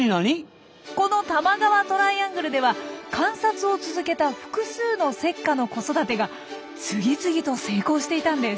この多摩川トライアングルでは観察を続けた複数のセッカの子育てが次々と成功していたんです。